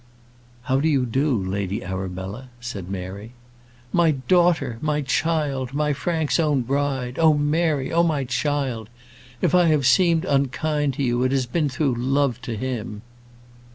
"How do you do, Lady Arabella?" said Mary. "My daughter! my child! my Frank's own bride! Oh, Mary! oh, my child! If I have seemed unkind to you, it has been through love to him."